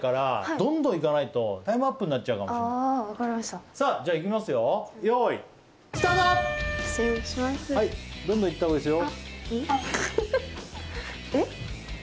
どんどんいったほうがいいですよ。